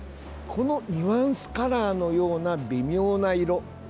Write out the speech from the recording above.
このニュアンスカラーのような微妙な色。